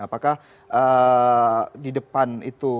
apakah di depan itu